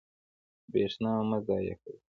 برښنا مه ضایع کوئ